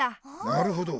なるほど。